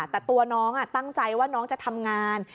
แต่ตัวน้องตั้งใจว่าน้องจะทำงาน